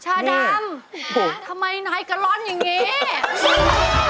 ชาดำทำไมนายกะล่อนอย่างนี้